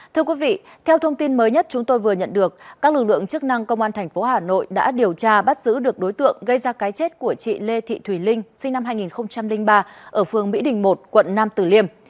thưa quý vị theo thông tin mới nhất chúng tôi vừa nhận được các lực lượng chức năng công an tp hà nội đã điều tra bắt giữ được đối tượng gây ra cái chết của chị lê thị thùy linh sinh năm hai nghìn ba ở phương mỹ đình một quận nam tử liêm